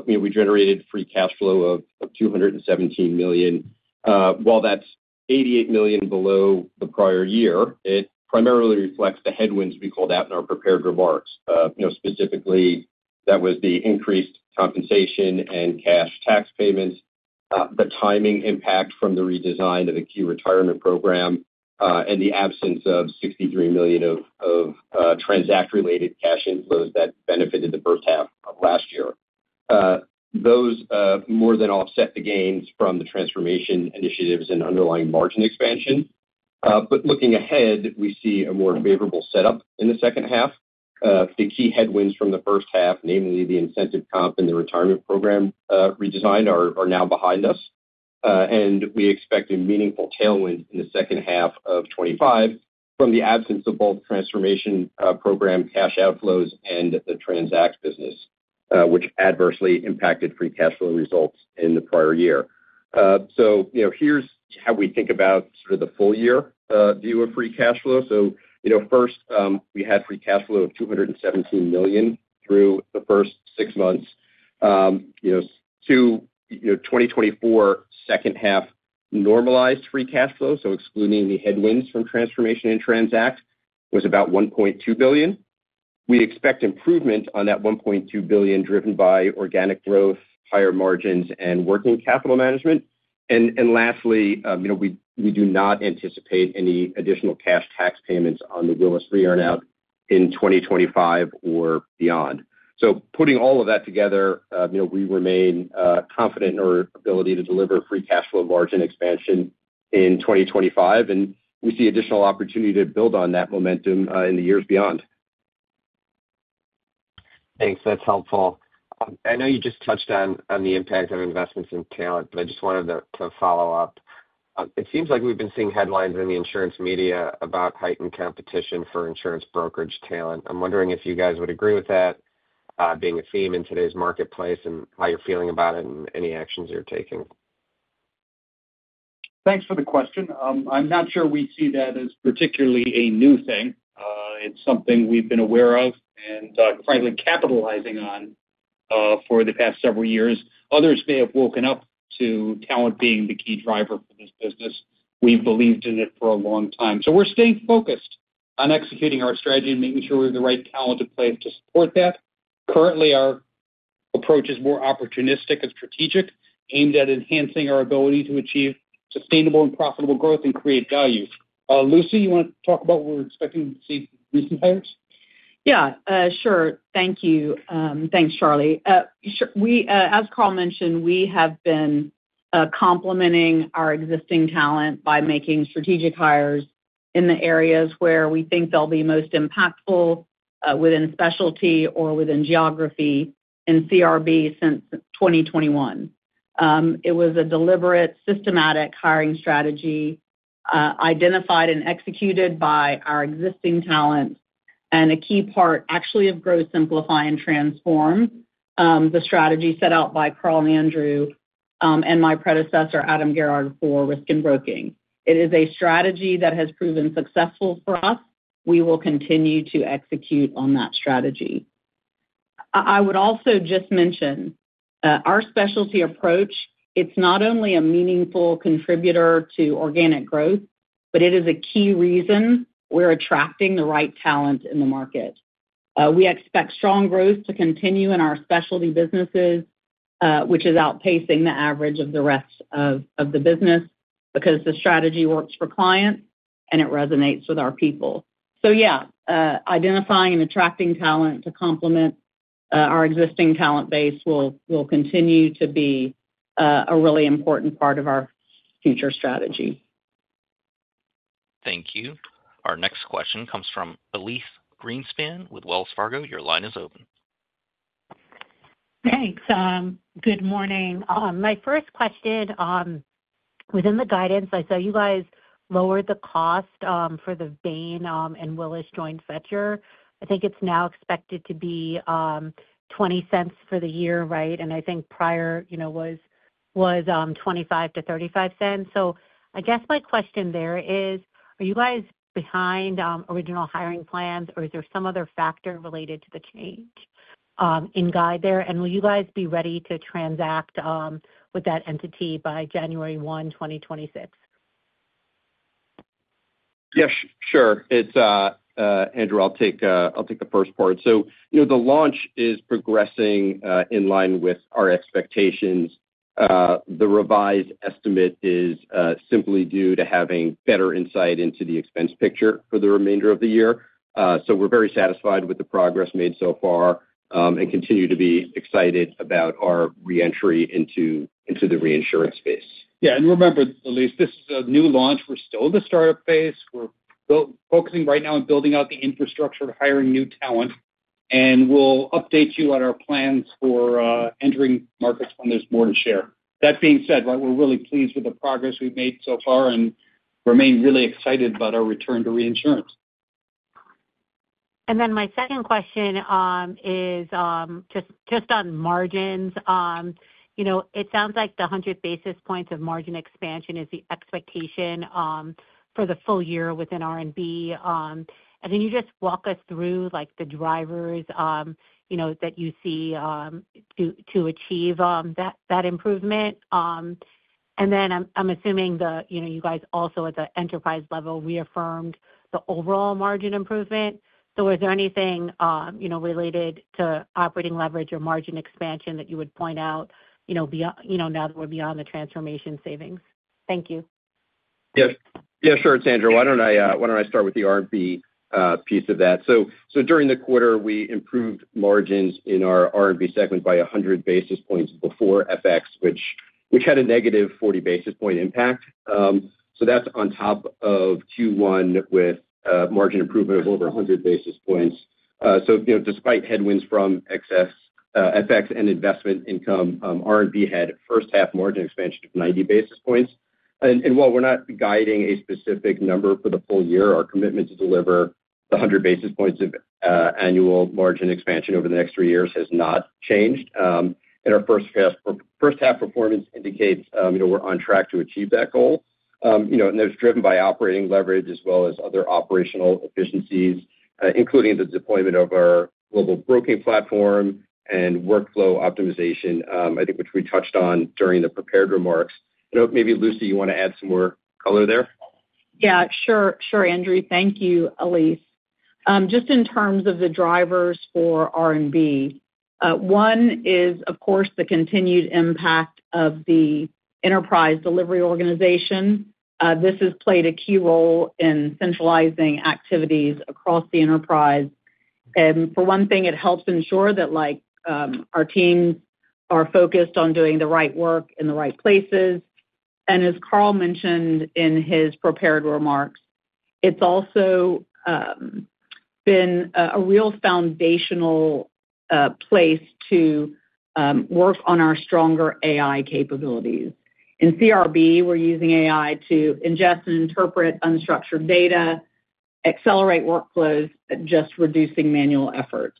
Speaker 3: we generated free cash flow of $217 million. While that's $88 million below the prior year, it primarily reflects the headwinds we called out in our prepared remarks. Specifically, that was the increased compensation and cash tax payments, the timing impact from the redesign of the key retirement program, and the absence of $63 million of TRANZACT-related cash inflows that benefited the first half of last year. Those more than offset the gains from the transformation initiatives and underlying margin expansion. Looking ahead, we see a more favorable setup in the second half. The key headwinds from the first half, namely the incentive comp and the retirement program redesign, are now behind us. We expect a meaningful tailwind in the second half of 2025 from the absence of both transformation program cash outflows and the TRANZACT business, which adversely impacted free cash flow results in the prior year. Here's how we think about the full year view of free cash flow. First, we had free cash flow of $217 million through the first six months. For 2024, second half normalized free cash flow, excluding the headwinds from transformation and TRANZACT, was about $1.2 billion. We expect improvement on that $1.2 billion driven by organic growth, higher margins, and working capital management. Lastly, we do not anticipate any additional cash tax payments on the Willis free earnout in 2025 or beyond. Putting all of that together, we remain confident in our ability to deliver free cash flow margin expansion in 2025, and we see additional opportunity to build on that momentum in the years beyond.
Speaker 7: Thanks. That's helpful. I know you just touched on the impact of investments in talent, but I just wanted to follow up. It seems like we've been seeing headlines in the insurance media about heightened competition for insurance brokerage talent. I'm wondering if you guys would agree with that being a theme in today's marketplace and how you're feeling about it and any actions you're taking.
Speaker 2: Thanks for the question. I'm not sure we see that as particularly a new thing. It's something we've been aware of and, frankly, capitalizing on for the past several years. Others may have woken up to talent being the key driver for this business. We've believed in it for a long time. We're staying focused on executing our strategy and making sure we have the right talent in place to support that. Currently, our approach is more opportunistic and strategic, aimed at enhancing our ability to achieve sustainable and profitable growth and create value. Lucy, you want to talk about what we're expecting to see with recent hires?
Speaker 6: Yeah, sure. Thank you. Thanks, Charlie. As Carl mentioned, we have been complementing our existing talent by making strategic hires in the areas where we think they'll be most impactful within specialty or within geography in CRB since 2021. It was a deliberate, systematic hiring strategy identified and executed by our existing talent, and a key part, actually, of Growth Simplify and Transform, the strategy set out by Carl and Andrew and my predecessor, Adam Garrard, for Risk and Broking. It is a strategy that has proven successful for us. We will continue to execute on that strategy. I would also just mention our specialty approach. It's not only a meaningful contributor to organic growth, but it is a key reason we're attracting the right talent in the market. We expect strong growth to continue in our specialty businesses, which is outpacing the average of the rest of the business because the strategy works for clients and it resonates with our people. Yeah, identifying and attracting talent to complement our existing talent base will continue to be a really important part of our future strategy.
Speaker 1: Thank you. Our next question comes from Elyse Greenspan with Wells Fargo. Your line is open.
Speaker 8: Thanks. Good morning. My first question. Within the guidance, I saw you guys lowered the cost for the Bain and Willis joint venture. I think it's now expected to be $0.20 for the year, right? I think prior was $0.25 to $0.35. I guess my question there is, are you guys behind original hiring plans, or is there some other factor related to the change in guide there? Will you guys be ready to transact with that entity by January 1, 2026?
Speaker 3: Yes, sure. Andrew. I'll take the first part. The launch is progressing in line with our expectations. The revised estimate is simply due to having better insight into the expense picture for the remainder of the year. We're very satisfied with the progress made so far and continue to be excited about our re-entry into the reinsurance space.
Speaker 2: Yeah. Remember, Elyse, this is a new launch. We're still in the startup phase. We're focusing right now on building out the infrastructure for hiring new talent. We'll update you on our plans for entering markets when there's more to share. That being said, we're really pleased with the progress we've made so far and remain really excited about our return to reinsurance.
Speaker 8: My second question is just on margins. It sounds like the 100 basis points of margin expansion is the expectation for the full year within R&B. Can you just walk us through the drivers that you see to achieve that improvement? I'm assuming you guys also, at the enterprise level, reaffirmed the overall margin improvement. Is there anything related to operating leverage or margin expansion that you would point out now that we're beyond the transformation savings? Thank you.
Speaker 3: Yeah, sure. It's Andrew. Why don't I start with the R&B piece of that? During the quarter, we improved margins in our R&B segment by 100 basis points before FX, which had a negative 40 basis point impact. That's on top of Q1 with margin improvement of over 100 basis points. Despite headwinds from excess FX and investment income, R&B had first-half margin expansion of 90 basis points. While we're not guiding a specific number for the full year, our commitment to deliver the 100 basis points of annual margin expansion over the next three years has not changed. Our first-half performance indicates we're on track to achieve that goal. That's driven by operating leverage as well as other operational efficiencies, including the deployment of our global broking platform and workflow optimization, which we touched on during the prepared remarks. Maybe, Lucy, you want to add some more color there?
Speaker 6: Yeah, sure. Sure, Andrew. Thank you, Elyse. In terms of the drivers for R&B, one is, of course, the continued impact of the enterprise delivery organization. This has played a key role in centralizing activities across the enterprise. For one thing, it helps ensure that our teams are focused on doing the right work in the right places. As Carl mentioned in his prepared remarks, it's also been a real foundational place to work on our stronger AI capabilities. In CRB, we're using AI to ingest and interpret unstructured data, accelerate workflows, and reduce manual effort.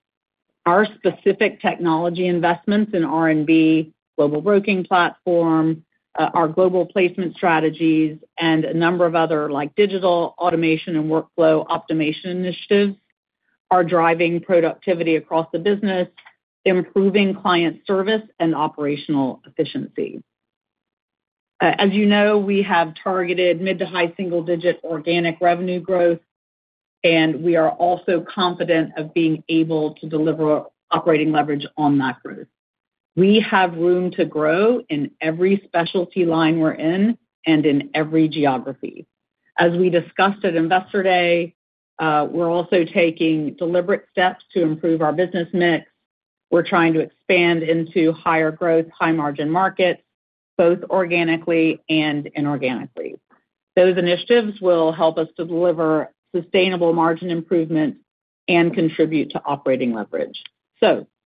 Speaker 6: Our specific technology investments in R&B, global broking platform, our global placement strategies, and a number of other digital automation and workflow optimization initiatives are driving productivity across the business, improving client service and operational efficiency. As you know, we have targeted mid to high single digit organic revenue growth, and we are also confident of being able to deliver operating leverage on that growth. We have room to grow in every specialty line we're in and in every geography. As we discussed at Investor Day, we're also taking deliberate steps to improve our business mix. We're trying to expand into higher growth, high margin markets, both organically and inorganically. Those initiatives will help us to deliver sustainable margin improvements and contribute to operating leverage.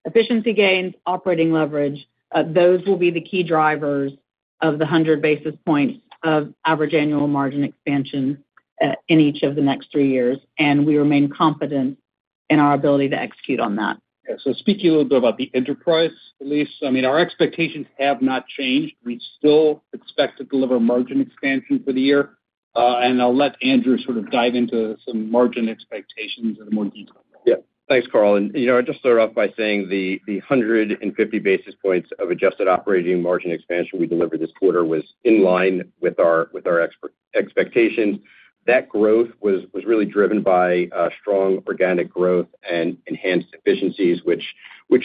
Speaker 6: Efficiency gains and operating leverage will be the key drivers of the 100 basis points of average annual margin expansion in each of the next three years. We remain confident in our ability to execute on that.
Speaker 2: Speaking a little bit about the enterprise, Elyse, our expectations have not changed. We still expect to deliver margin expansion for the year. I'll let Andrew sort of dive into some margin expectations in a more detailed way.
Speaker 3: Yeah. Thanks, Carl. I'll just start off by saying the 150 basis points of adjusted operating margin expansion we delivered this quarter was in line with our expectations. That growth was really driven by strong organic growth and enhanced efficiencies, which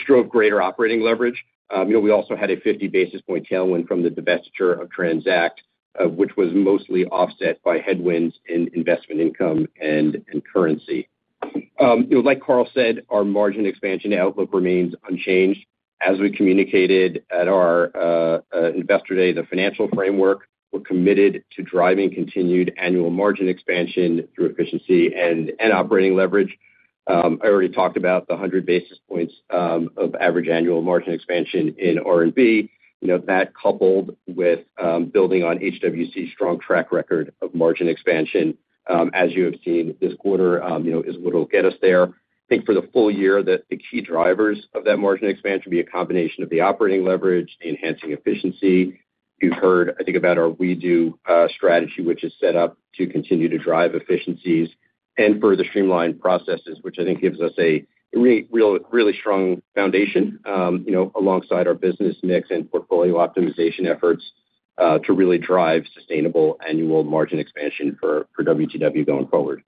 Speaker 3: drove greater operating leverage. We also had a 50 basis point tailwind from the divestiture of TRANZACT, which was mostly offset by headwinds in investment income and currency. Like Carl said, our margin expansion outlook remains unchanged. As we communicated at our Investor Day, the financial framework, we're committed to driving continued annual margin expansion through efficiency and operating leverage. I already talked about the 100 basis points of average annual margin expansion in R&B. That, coupled with building on HWC's strong track record of margin expansion, as you have seen this quarter, is what will get us there. I think for the full year, the key drivers of that margin expansion will be a combination of the operating leverage and the enhancing efficiency. You've heard about our redo strategy, which is set up to continue to drive efficiencies and further streamline processes, which gives us a really strong foundation. Alongside our business mix and portfolio optimization efforts to really drive sustainable annual margin expansion for WTW going forward.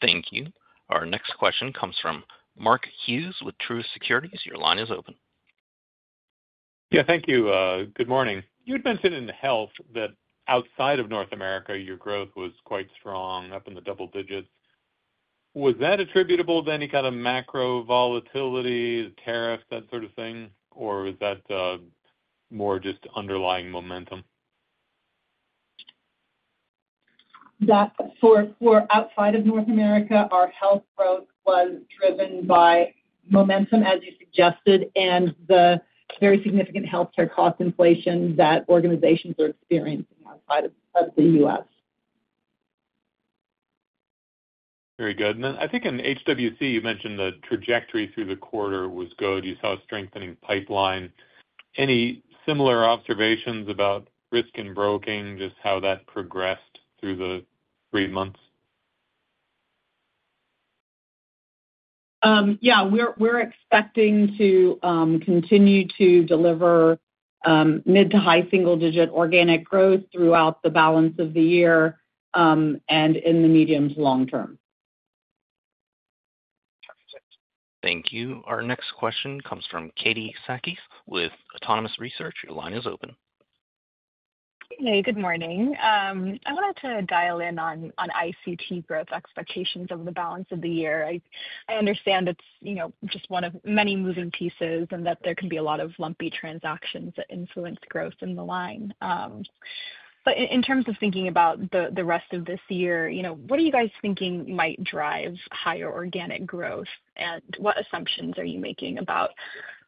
Speaker 1: Thank you. Our next question comes from Mark Hughes with Truist Securities. Your line is open.
Speaker 9: Yeah, thank you. Good morning. You had mentioned in the Health that outside of North America, your growth was quite strong, up in the double digits. Was that attributable to any kind of macro volatility, tariffs, that sort of thing, or is that more just underlying momentum?
Speaker 6: For outside of North America, our Health growth was driven by momentum, as you suggested, and the very significant healthcare cost inflation that organizations are experiencing outside of the U.S.
Speaker 9: Very good. I think in HWC, you mentioned the trajectory through the quarter was good. You saw a strengthening pipeline. Any similar observations about Risk and Broking, just how that progressed through the three months?
Speaker 6: Yeah. We're expecting to continue to deliver mid to high single digit organic growth throughout the balance of the year and in the medium to long term.
Speaker 1: Thank you. Our next question comes from Katie Sakys with Autonomous Research. Your line is open.
Speaker 10: Hey, good morning. I wanted to dial in on ICT growth expectations over the balance of the year. I understand it's just one of many moving pieces and that there can be a lot of lumpy transactions that influence growth in the line. In terms of thinking about the rest of this year, what are you guys thinking might drive higher organic growth? What assumptions are you making about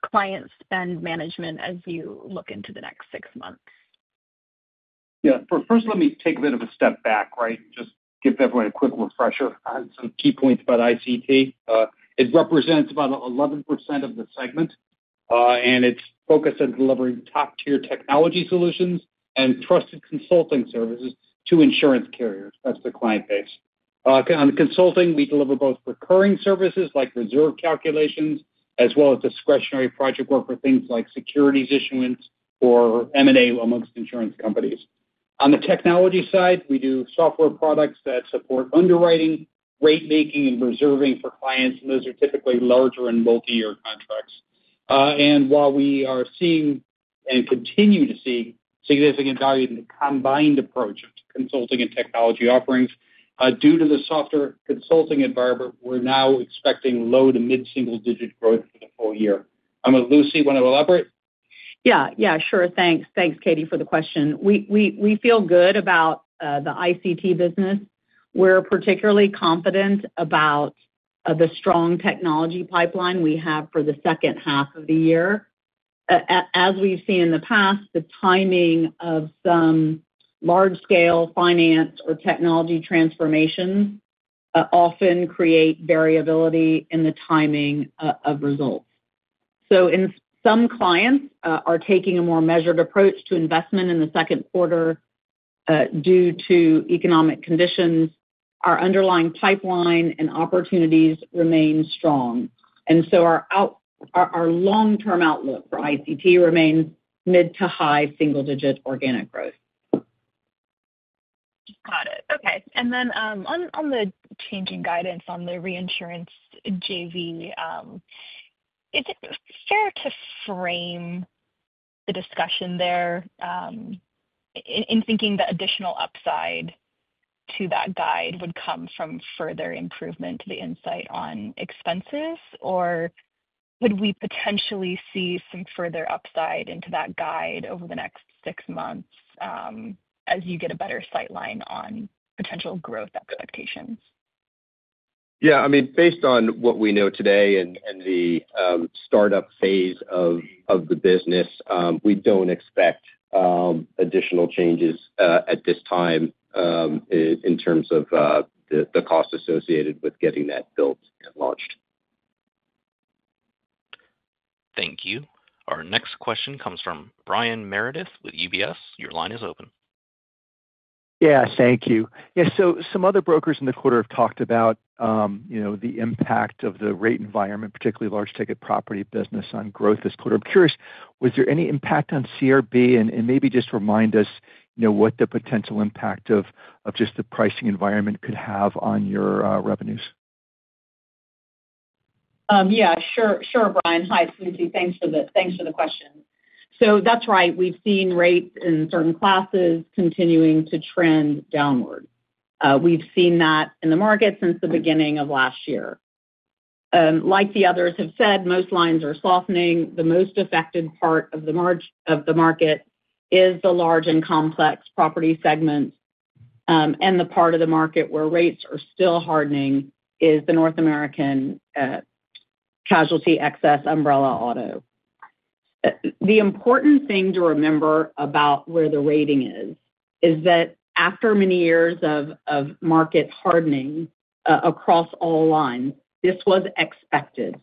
Speaker 10: client spend management as you look into the next six months?
Speaker 2: Yeah. First, let me take a bit of a step back, right? Just give everyone a quick refresher on some key points about ICT. It represents about 11% of the segment, and it's focused on delivering top-tier technology solutions and trusted consulting services to insurance carriers. That's the client base. On consulting, we deliver both recurring services like reserve calculations as well as discretionary project work for things like securities issuance or M&A amongst insurance companies. On the technology side, we do software products that support underwriting, rate-making, and reserving for clients. Those are typically larger and multi-year contracts. While we are seeing and continue to see significant value in the combined approach of consulting and technology offerings, due to the software consulting environment, we're now expecting low to mid-single digit growth for the full year. I'm going to, Lucy, want to elaborate?
Speaker 6: Yeah. Yeah. Sure. Thanks. Thanks, Katie, for the question. We feel good about the ICT business. We're particularly confident about the strong technology pipeline we have for the second half of the year. As we've seen in the past, the timing of some large-scale finance or technology transformations. Often create variability in the timing of results. Some clients are taking a more measured approach to investment in the second quarter due to economic conditions. Our underlying pipeline and opportunities remain strong, and our long-term outlook for ICT remains mid to high single digit organic growth. Got it. Okay. On the changing guidance on the reinsurance JV, is it fair to frame the discussion there in thinking that additional upside to that guide would come from further improvement to the insight on expenses? Would we potentially see some further upside into that guide over the next six months as you get a better sightline on potential growth expectations? Yeah.
Speaker 3: Based on what we know today and the startup phase of the business, we don't expect additional changes at this time in terms of the cost associated with getting that built and launched.
Speaker 1: Thank you. Our next question comes from Brian Meredith with UBS. Your line is open.
Speaker 11: Yeah. Thank you. Some other brokers in the quarter have talked about the impact of the rate environment, particularly large-ticket property business, on growth this quarter. I'm curious, was there any impact on CRB? Maybe just remind us what the potential impact of just the pricing environment could have on your revenues?
Speaker 6: Yeah. Sure. Sure, Brian. Hi, Lucy. Thanks for the question. That's right. We've seen rates in certain classes continuing to trend downward. We've seen that in the market since the beginning of last year. Like the others have said, most lines are softening. The most affected part of the market is the large and complex property segment. The part of the market where rates are still hardening is the North American casualty excess umbrella auto. The important thing to remember about where the rating is is that after many years of market hardening across all lines, this was expected.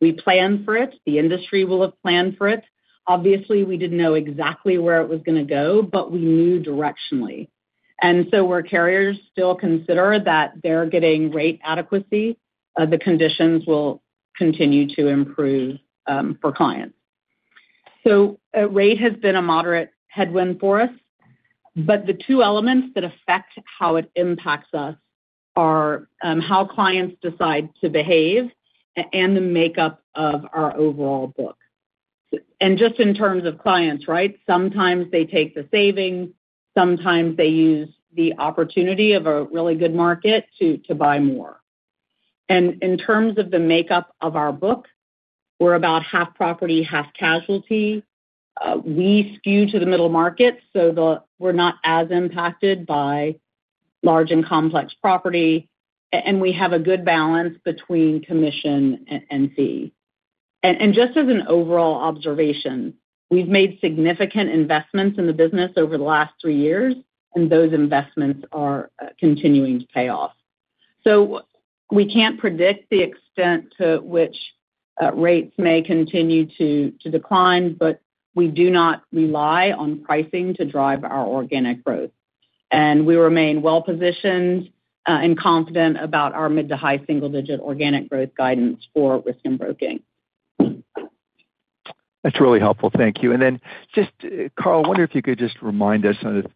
Speaker 6: We planned for it. The industry will have planned for it. Obviously, we didn't know exactly where it was going to go, but we knew directionally. Where carriers still consider that they're getting rate adequacy, the conditions will continue to improve for clients. Rate has been a moderate headwind for us. The two elements that affect how it impacts us are how clients decide to behave and the makeup of our overall book. In terms of clients, sometimes they take the savings. Sometimes they use the opportunity of a really good market to buy more. In terms of the makeup of our book, we're about half property, half casualty. We skew to the middle market, so we're not as impacted by large and complex property. We have a good balance between commission and fee. Just as an overall observation, we've made significant investments in the business over the last three years, and those investments are continuing to pay off. We can't predict the extent to which rates may continue to decline, but we do not rely on pricing to drive our organic growth. We remain well-positioned and confident about our mid to high single digit organic growth guidance for Risk and Broking.
Speaker 11: That's really helpful. Thank you. Carl, I wonder if you could just remind us of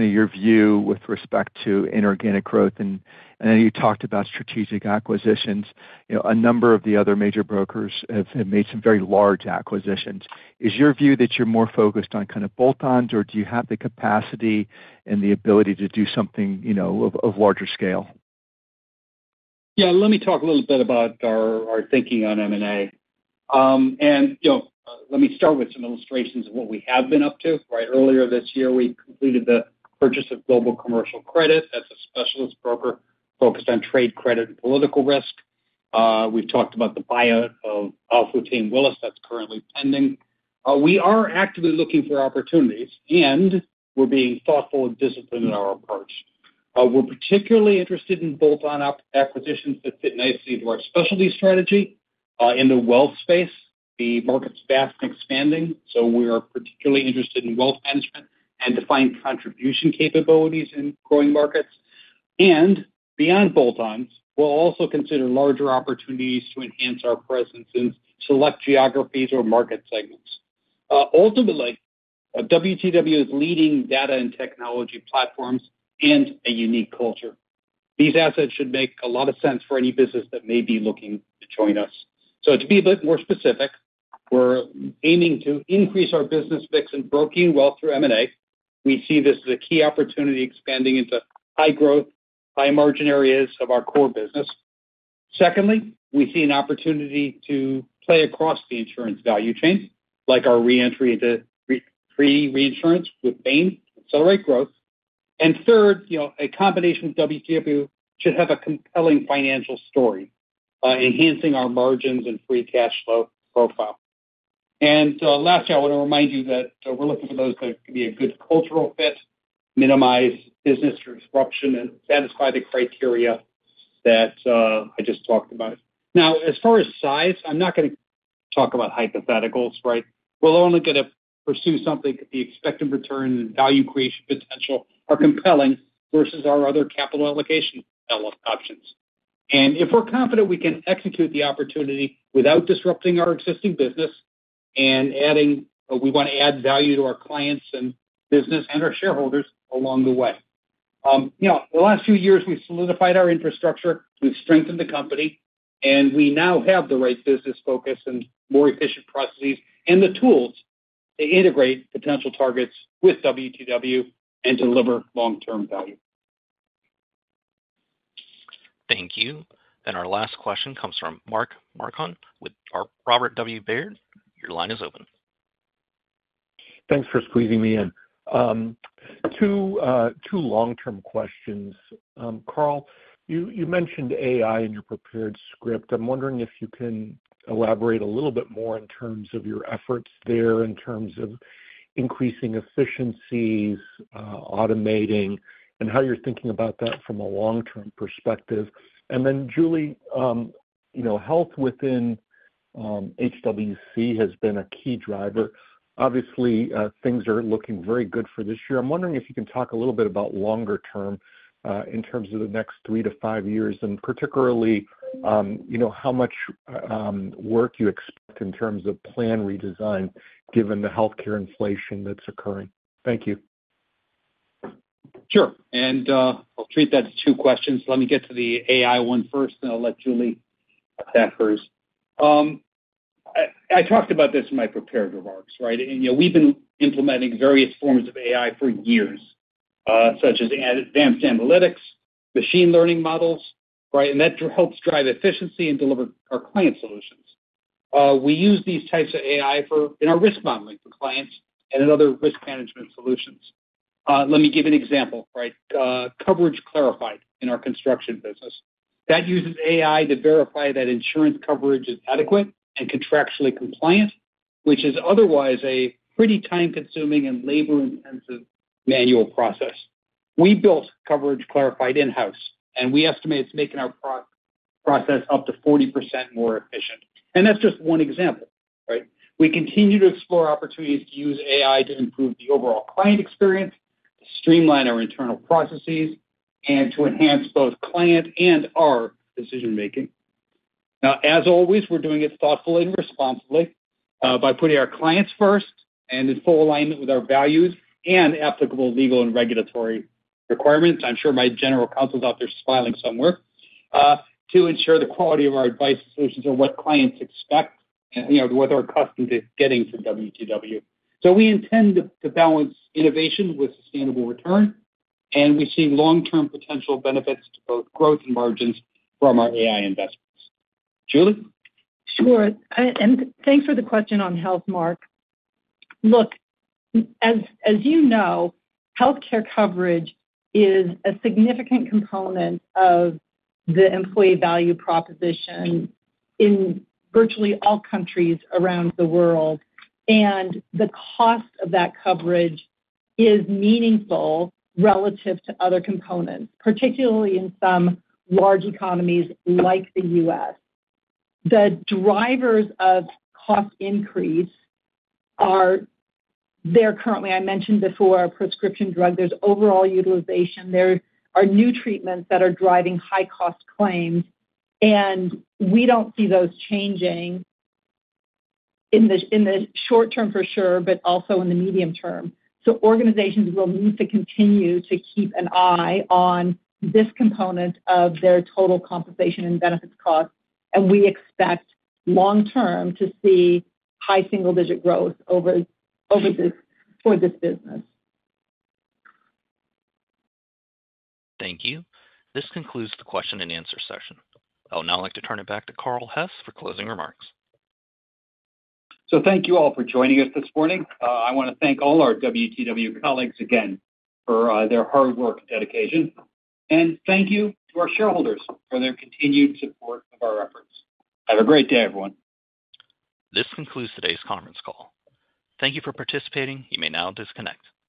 Speaker 11: your view with respect to inorganic growth. I know you talked about strategic acquisitions. A number of the other major brokers have made some very large acquisitions. Is your view that you're more focused on bolt-ons, or do you have the capacity and the ability to do something of larger scale?
Speaker 2: Yeah. Let me talk a little bit about our thinking on M&A. Let me start with some illustrations of what we have been up to. Earlier this year, we completed the purchase of Global Commercial Credit. That's a specialist broker focused on trade, credit, and political risk. We've talked about the buyout of Al-Futtaim Willis that's currently pending. We are actively looking for opportunities, and we're being thoughtful and disciplined in our approach. We're particularly interested in bolt-on acquisitions that fit nicely into our specialty strategy. In the wealth space, the market's vast and expanding, so we are particularly interested in wealth management and defined contribution capabilities in growing markets. Beyond bolt-ons, we'll also consider larger opportunities to enhance our presence in select geographies or market segments. Ultimately, WTW is leading data and technology platforms and a unique culture. These assets should make a lot of sense for any business that may be looking to join us. To be a bit more specific, we're aiming to increase our business mix in broking wealth through M&A. We see this as a key opportunity expanding into high-growth, high-margin areas of our core business. Secondly, we see an opportunity to play across the insurance value chain, like our re-entry into free reinsurance with Bain to accelerate growth. Third, a combination with WTW should have a compelling financial story, enhancing our margins and free cash flow profile. Lastly, I want to remind you that we're looking for those that can be a good cultural fit, minimize business disruption, and satisfy the criteria that I just talked about. As far as size, I'm not going to talk about hypotheticals, right? We're only going to pursue something that the expected return and value creation potential are compelling versus our other capital allocation options. If we're confident we can execute the opportunity without disrupting our existing business, and adding we want to add value to our clients and business and our shareholders along the way. The last few years, we solidified our infrastructure, we've strengthened the company, and we now have the right business focus and more efficient processes and the tools to integrate potential targets with WTW and deliver long-term value.
Speaker 1: Thank you. Our last question comes from Mark Marcon with Robert W. Baird. Your line is open.
Speaker 12: Thanks for squeezing me in. Two long-term questions. Carl, you mentioned AI in your prepared script. I'm wondering if you can elaborate a little bit more in terms of your efforts there in terms of increasing efficiencies, automating, and how you're thinking about that from a long-term perspective. Julie, Health within HWC has been a key driver. Obviously, things are looking very good for this year. I'm wondering if you can talk a little bit about longer term in terms of the next three to five years, and particularly how much work you expect in terms of plan redesign given the healthcare inflation that's occurring. Thank you.
Speaker 2: Sure. I'll treat that as two questions. Let me get to the AI one first, and I'll let Julie [attack first]. I talked about this in my prepared remarks, right? We've been implementing various forms of AI for years, such as advanced analytics, machine learning models, right? That helps drive efficiency and deliver our client solutions. We use these types of AI in our risk modeling for clients and in other risk management solutions. Let me give you an example, right? Coverage Clarified in our construction business uses AI to verify that insurance coverage is adequate and contractually compliant, which is otherwise a pretty time-consuming and labor-intensive manual process. We built Coverage Clarified in-house, and we estimate it's making our process up to 40% more efficient. That's just one example, right? We continue to explore opportunities to use AI to improve the overall client experience, to streamline our internal processes, and to enhance both client and our decision-making. As always, we're doing it thoughtfully and responsibly by putting our clients first and in full alignment with our values and applicable legal and regulatory requirements. I'm sure my General Counsel is out there smiling somewhere. To ensure the quality of our advice and solutions are what clients expect, what they're accustomed to getting from WTW, we intend to balance innovation with sustainable return, and we see long-term potential benefits to both growth and margins from our AI investments. Julie?
Speaker 5: Sure. Thanks for the question on health, Mark. As you know, healthcare coverage is a significant component of the employee value proposition in virtually all countries around the world, and the cost of that coverage is meaningful relative to other components, particularly in some large economies like the U.S. The drivers of cost increase are there currently. I mentioned before, prescription drug, there's overall utilization. There are new treatments that are driving high-cost claims, and we don't see those changing in the short term for sure, but also in the medium term. Organizations will need to continue to keep an eye on this component of their total compensation and benefits cost, and we expect long-term to see high single-digit growth for this business.
Speaker 1: Thank you. This concludes the question and answer session. I'd now like to turn it back to Carl Hess for closing remarks.
Speaker 2: Thank you all for joining us this morning. I want to thank all our WTW colleagues again for their hard work and dedication, and thank you to our shareholders for their continued support of our efforts. Have a great day, everyone.
Speaker 1: This concludes today's conference call. Thank you for participating. You may now disconnect.